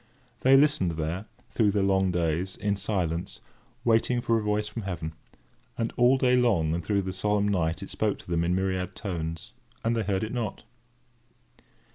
They listened there, through the long days, in silence, waiting for a voice from heaven; and all day long and through the solemn night it spoke to them in myriad tones, and they heard it not.